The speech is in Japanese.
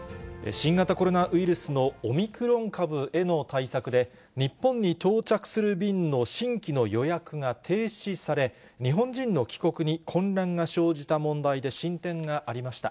新型コロナウイルスのオミクロン株への対策で、日本に到着する便の新規の予約が停止され、日本人の帰国に混乱が生じた問題で、進展がありました。